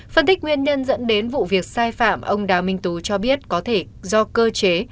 phân tích nguyên nhân dẫn đến vụ việc sai phạm ông đào minh tú cho biết có thể do cơ chế